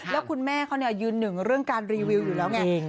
แล้วคุณแม่เขายืนหนึ่งเรื่องการรีวิวอยู่แล้วไง